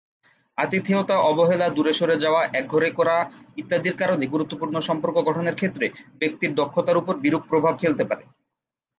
আতিথেয়তা, অবহেলা, দূরে সরে যাওয়া, একঘরে করা ইত্যাদির কারণে গুরুত্বপূর্ণ সম্পর্ক গঠনের ক্ষেত্রে ব্যক্তির দক্ষতার উপর বিরূপ প্রভাব ফেলতে পারে।